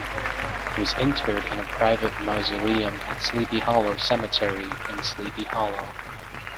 He was interred in a private mausoleum at Sleepy Hollow Cemetery in Sleepy Hollow.